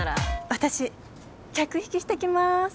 私客引きしてきます。